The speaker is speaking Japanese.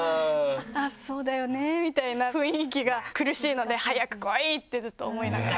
あぁそうだよねみたいな雰囲気が苦しいので早く来いってずっと思いながら。